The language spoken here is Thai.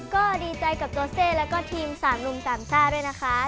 ก็ดีใจกับโต๊ะเซแล้วก็ทีมสามลุงสามซ่าด้วยนะคะ